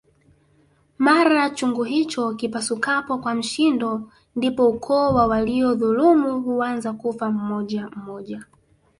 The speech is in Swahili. Mara chungu hicho kipasukapo kwa mshindo ndipo ukoo wa waliodhulumu huanza kufa mmoja mmoja